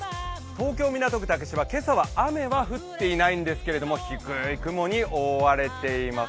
東京・港区竹芝、今朝は雨は降っていないんですが低い雲に覆われています。